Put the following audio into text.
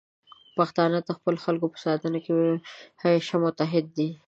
پښتانه د خپلو خلکو په ساتنه کې همیشه متعهد دي.